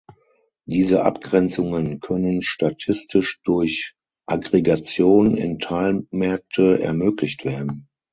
Diese Abgrenzungen können statistisch durch Aggregation in Teilmärkte ermöglicht werden.